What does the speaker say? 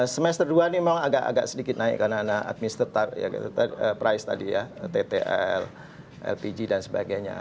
semester dua ini memang agak agak sedikit naik karena ada adminster price tadi ya ttl lpg dan sebagainya